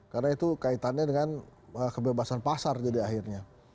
karena itu kaitannya dengan kebebasan pasar jadi akhirnya